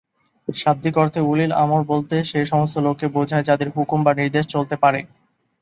শাব্দিক অর্থে, উলিল-আমর বলতে সে সমস্ত লোককে বোঝায় যাদের হুকুম বা নির্দেশ চলতে পারে।